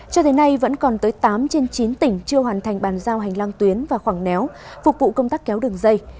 cho tới nay vẫn còn tới tám trên chín tỉnh chưa hoàn thành bàn giao hành lang tuyến và khoảng néo phục vụ công tác kéo đường dây